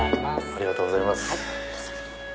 ありがとうございます。